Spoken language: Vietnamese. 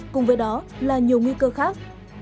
cùng với đó là nhiều nguy cơ khác